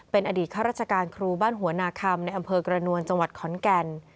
เป็นอดีตข้าราชการครูบ้านหัวนาคำในอำเภอกระนวลจังหวัดขอนแก่น